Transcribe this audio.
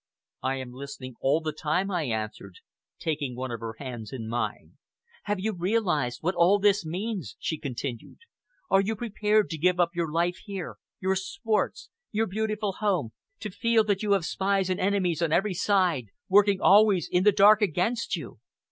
"I am listening all the time," I answered, taking one of her hands in mine. "Have you realized what all this means?" she continued. "Are you prepared to give up your life here, your sports, your beautiful home, to feel that you have spies and enemies on every side, working always in the dark against you?